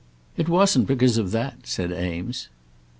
"It wasn't because of that," said Eames.